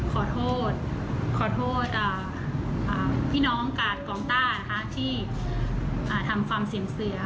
ขอโทษพี่น้องการ์ดกองต้าที่ทำความเสี่ยงเสื้อ